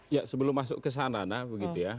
ya sebelum masuk ke sana nah begitu ya